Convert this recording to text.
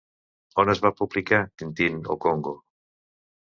On es va publicar Tintin au Congo?